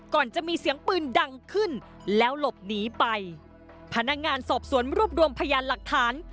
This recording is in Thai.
ก่อนจะมีเสียงปืนดังขึ้นแล้วหลบหนีไปพนักงานสอบสวนรวบรวมพยานหลักฐาน